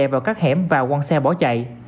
vào các hẻm và quăng xe bỏ chạy